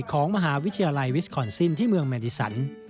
ของมหาวิทยาลัยวิสคอนซินที่เมืองแมดิสัน